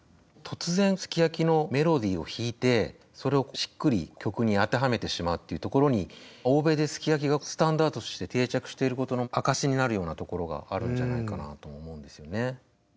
突然「ＳＵＫＩＹＡＫＩ」のメロディーを弾いてそれをしっくり曲に当てはめてしまうっていうところに欧米で「ＳＵＫＩＹＡＫＩ」がスタンダードとして定着してることの証しになるようなところがあるんじゃないかなと思うんですよね。